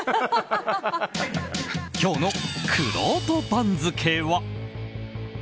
今日のくろうと番付は。